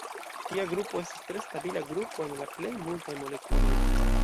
Tia grupo estas tre stabila grupo en la plej multaj molekuloj.